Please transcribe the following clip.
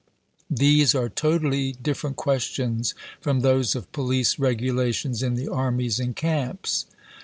These are totally different questions from those of police regulations in the armies and camps."